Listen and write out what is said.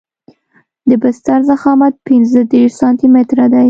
د بستر ضخامت پنځه دېرش سانتي متره دی